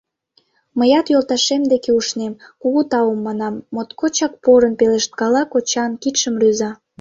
Мыят йолташем деке ушнем, кугу тау манам... — моткочак порын пелешткала, кочан кидшым рӱза.